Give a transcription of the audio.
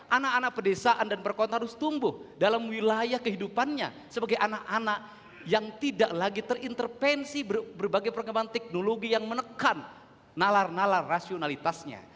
anak anak pedesaan dan perkota harus tumbuh dalam wilayah kehidupannya sebagai anak anak yang tidak lagi terintervensi berbagai perkembangan teknologi yang menekan nalar nalar rasionalitasnya